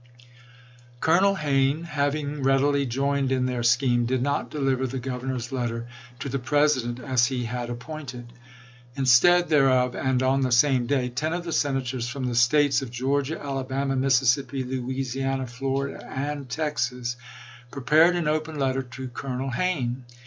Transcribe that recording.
Colonel Hayne, having readily joined in their scheme, did not deliver the Governor's letter to the President as he had appointed. Instead thereof, and on the same day, ten of the Senators from the States of Georgia, Alabama, Mississippi, Louisiana, Florida, and Texas prepared an open letter to Colonel Hayne.